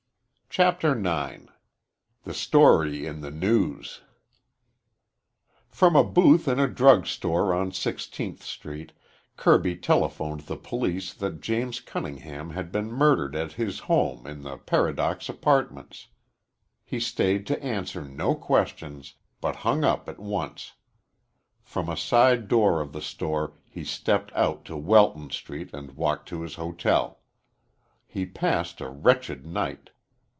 CHAPTER IX THE STORY IN THE "NEWS" From a booth in a drug store on Sixteenth Street Kirby telephoned the police that James Cunningham had been murdered at his home in the Paradox Apartments. He stayed to answer no questions, but hung up at once. From a side door of the store he stepped out to Welton Street and walked to his hotel. He passed a wretched night.